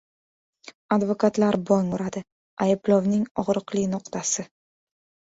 Advokatlar bong uradi: ayblovning og‘riqli nuqtasi